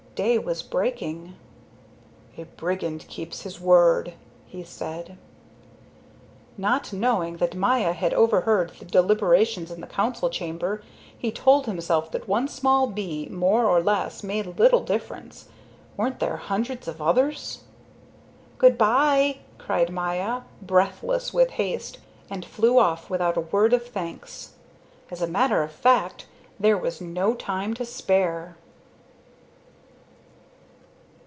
Day was breaking. "A brigand keeps his word," he said. Not knowing that Maya had overheard the deliberations in the council chamber, he told himself that one small bee more or less made little difference. Weren't there hundreds of others? "Good by," cried Maya, breathless with haste, and flew off without a word of thanks. As a matter of fact, there was no time to spare.